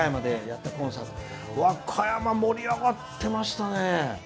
和歌山、盛り上がってましたね。